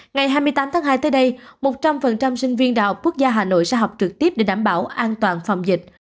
ngày hai mươi tám tháng hai tới đây một trăm linh sinh viên đại học quốc gia hà nội sẽ học trực tiếp để đảm bảo an toàn phòng dịch